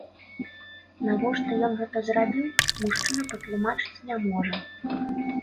Навошта ён гэта зрабіў, мужчына патлумачыць не можа.